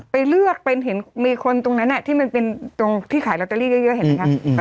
ไปเลือกเป็นเห็นมีคนตรงนั้นที่มันเป็นตรงที่ขายลอตเตอรี่เยอะเห็นไหมคะ